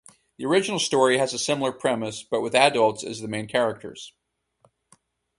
The original story has a similar premise, but with adults as the main characters.